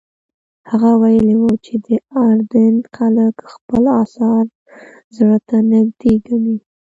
هغه ویلي وو چې د اردن خلک خپل اثار زړه ته نږدې ګڼي.